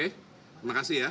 terima kasih ya